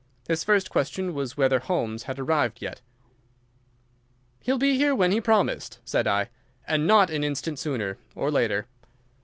His first question was whether Holmes had arrived yet. "He'll be here when he promised," said I, "and not an instant sooner or later."